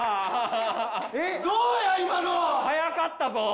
速かったぞ！